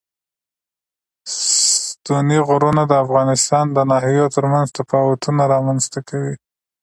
ستوني غرونه د افغانستان د ناحیو ترمنځ تفاوتونه رامنځ ته کوي.